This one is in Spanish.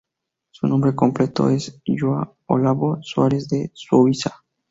Su nombre completo es João Olavo Soares de Souza.